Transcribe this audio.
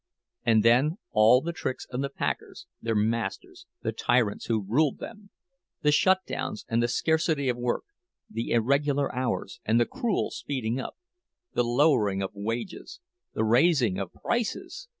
And then all the tricks of the packers, their masters, the tyrants who ruled them—the shutdowns and the scarcity of work, the irregular hours and the cruel speeding up, the lowering of wages, the raising of prices!